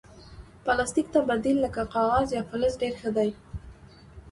پلاستيک ته بدیل لکه کاغذ یا فلز ډېر ښه دی.